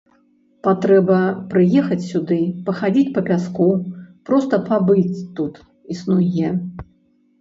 Патрэба прыехаць сюды, пахадзіць па пяску, проста пабыць тут, існуе.